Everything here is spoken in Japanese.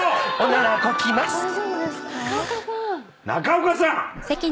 中岡さん！